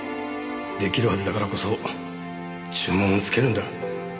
出来るはずだからこそ注文をつけるんだ。